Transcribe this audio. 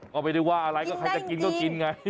ก็ไม่ได้ว่าอะไรก็ใครจะกินก็กินไง